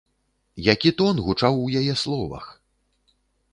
Які тон гучаў у яе словах!